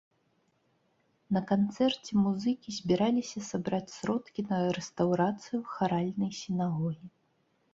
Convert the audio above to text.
На канцэрце музыкі збіраліся сабраць сродкі на рэстаўрацыю харальнай сінагогі.